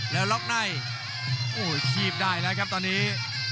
แล้วล็อคนายโอ้ยชีพได้แล้วครับตอนนี้